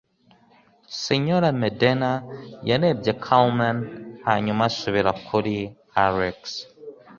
Señor Medena yarebye Carmen hanyuma asubira kuri Alex.